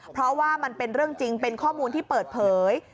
เพราะว่ามันเป็นเรื่องจริงเป็นข้อมูลที่เปิดเผย